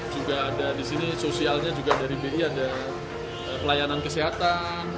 juga ada di sini sosialnya juga dari bi ada pelayanan kesehatan